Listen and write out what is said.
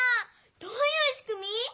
どういうしくみ？